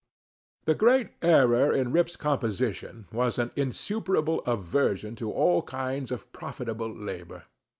The great error in Rip's composition was an insuperable aversion to all kinds of profitable labor.